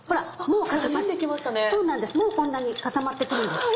もうこんなに固まって来るんです。